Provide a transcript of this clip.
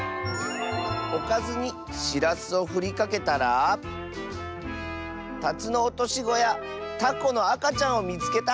「おかずにしらすをふりかけたらタツノオトシゴやタコのあかちゃんをみつけた！」。